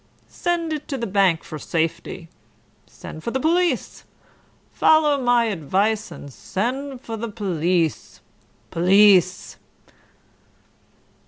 Send it to the bank for safety. Send for the police. Follow my advice and send for the p'lice. Police!"